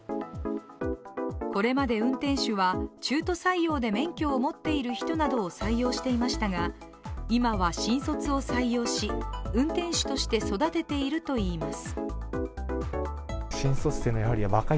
これまで運転手は中途採用で免許を持っている人などを採用していましたが今は新卒を採用し、運転手として育てているといいます。